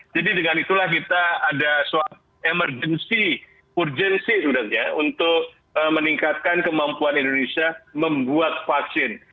jadi dengan itulah kita ada suatu emergency untuk meningkatkan kemampuan indonesia membuat vaksin